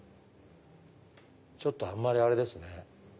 ちょっとあんまりあれですね。